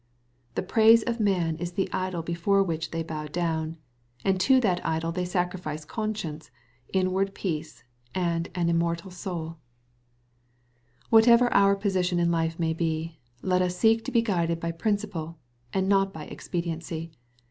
The praise of man is the idol before which they bow down, and to that idol they sacrifice conscience, inward peace, and an immortal souL Whatever our position in life may be, let us seek to be guided by principle, and not by expediency.